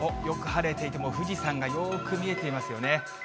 よく晴れていてもう、富士山がよーく見えていますよね。